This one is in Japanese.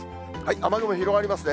雨雲広がりますね。